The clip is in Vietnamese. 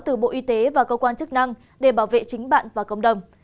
từ bộ y tế và cơ quan chức năng để bảo vệ chính bạn và cộng đồng